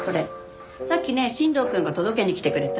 さっきね新藤くんが届けに来てくれた。